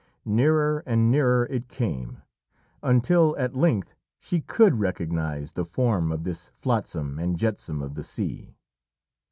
Nearer and nearer it came, until at length she could recognise the form of this flotsam and jetsam of the sea.